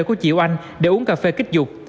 của chị oanh để uống cà phê kích dục